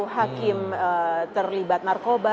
hakim terlibat narkoba